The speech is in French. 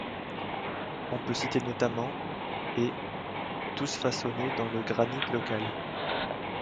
On peut citer notamment ',' et ' tous façonnés dans le granit local.